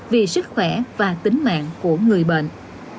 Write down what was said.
vì sức khỏe và tính mạng của người bệnh